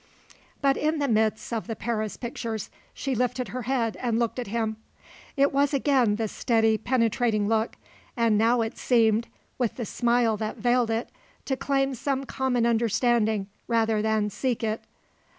But in the midst of the Paris pictures she lifted her head and looked at him. It was again the steady, penetrating look, and now it seemed, with the smile that veiled it, to claim some common understanding rather than seek it.